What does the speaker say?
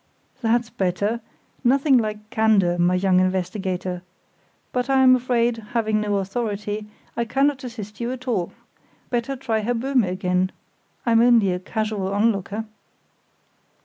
"That's better! Nothing like candour, my young investigator. But I am afraid, having no authority, I cannot assist you at all. Better try Herr Böhme again. I'm only a casual onlooker."